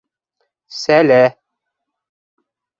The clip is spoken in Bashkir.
Сәлә...